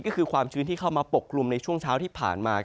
ก็คือความชื้นที่เข้ามาปกกลุ่มในช่วงเช้าที่ผ่านมา